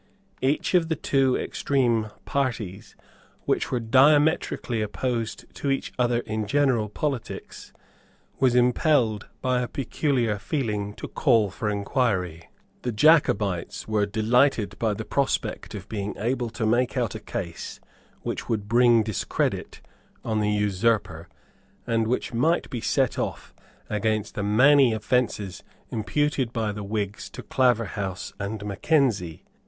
Each of the two extreme parties, which were diametrically opposed to each other in general politics, was impelled by a peculiar feeling to call for inquiry. The Jacobites were delighted by the prospect of being able to make out a case which would bring discredit on the usurper, and which might be set off against the many offences imputed by the Whigs to Claverhouse and Mackenzie.